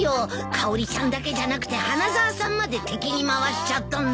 かおりちゃんだけじゃなくて花沢さんまで敵に回しちゃったんだから。